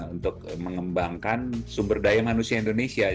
untuk mengembangkan sumber daya manusia indonesia